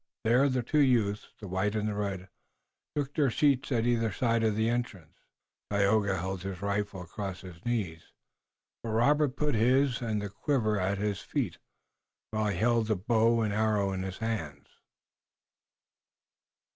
There the two youths, the white and the red, took their seats at either side of the entrance. Tayoga held his rifle across his knees, but Robert put his and the quiver at his feet, while he held the bow and one arrow in his hands.